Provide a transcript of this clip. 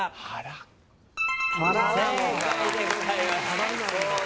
正解でございます。